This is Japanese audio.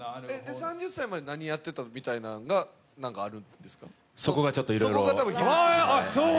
３０歳まで何をやっていた、みたいなのがあるんですか？